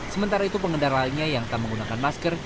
sementara itu pengendara lainnya yang tak menggunakan masker